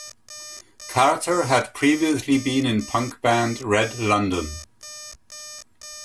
Carter had previously been in punk band Red London.